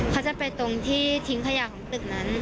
เขาจะไปตรงที่ทิ้งขยะของตึกนั้น